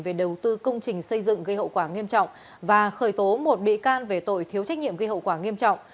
về đầu tư công trình xây dựng gây hậu quả nghiêm trọng và khởi tố một bị can về tội thiếu trách nhiệm gây hậu quả nghiêm trọng